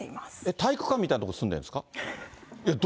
体育館みたいな所に住んでるんですか？